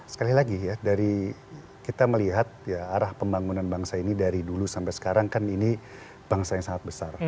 sekali lagi ya dari kita melihat arah pembangunan bangsa ini dari dulu sampai sekarang kan ini bangsa yang sangat besar